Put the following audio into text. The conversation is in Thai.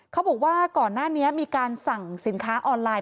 เขาบอกว่าก่อนหน้านี้มีการสั่งสินค้าออนไลน์